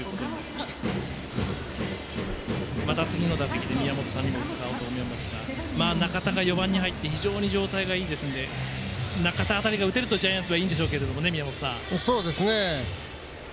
また次の打席で宮本さんにもうかがおうと思いますが中田が４番に入って非常に状態がいいですので中田辺りが打てるとジャイアンツはいいんでしょうが。